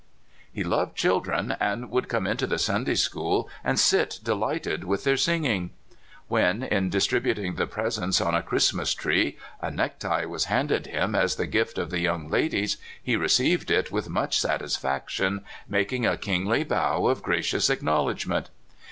He loved children, and would come into the Sunday school, and sit delighted with their sing ing. When, in distributing the presents on a Christmas tree, a necktie was handed him as the gift of the young ladies, he received it with much satisfaction, making a kingh' bow of gracious acknowledgment.